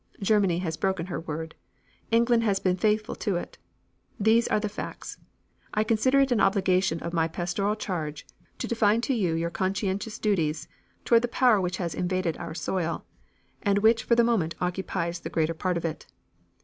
Germany has broken her word, England has been faithful to it. These are the facts. I consider it an obligation of my pastoral charge to define to you your conscientious duties toward the power which has invaded our soil, and which for the moment occupies the greater part of it.